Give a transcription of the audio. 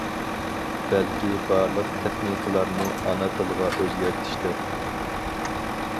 بەلكى بارلىق تېخنىكىلارنى ئانا تىلىغا ئۆزگەرتىشتە.